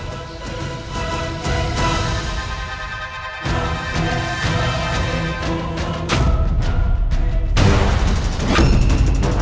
ini adalah perjalanan ke istana pajajara